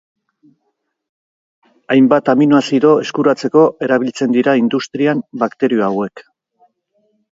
Hainbat aminoazido eskuratzeko erabiltzen dira industrian bakterio hauek.